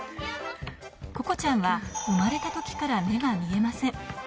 ここちゃんは生まれたときから目が見えません。